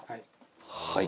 はい。